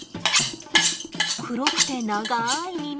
黒くて長い耳。